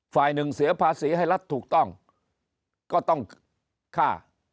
ฝ่ายหนึ่งเสียภาษีให้รัฐถูกต้องก็ต้องฆ่า